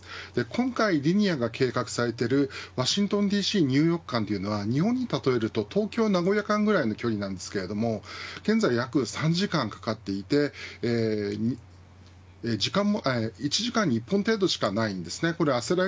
今回リニアが計画されているワシントンＤＣ、ニューヨーク間というのは日本に例えると東京、名古屋間くらいの距離ですが現在約３時間かかっていて１時間に１本程度しかないんです。